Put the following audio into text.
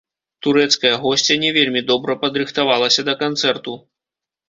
Турэцкая госця не вельмі добра падрыхтавалася да канцэрту.